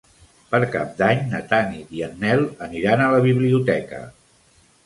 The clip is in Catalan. Per Cap d'Any na Tanit i en Nel aniran a la biblioteca.